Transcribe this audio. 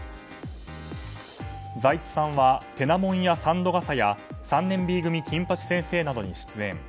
財津さんは「てなもんや三度笠」や「３年Ｂ組金八先生」などに出演。